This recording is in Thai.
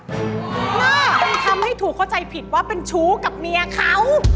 มันทำให้ถูกเข้าใจผิดว่าเป็นชู้กับเมียเขา